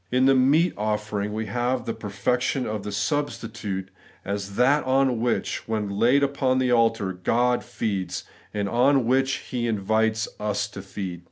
In the meat offering we have the perfection of the substitute, as that on which, when laid upon the altar, God feeds, and on which He invites us to feed.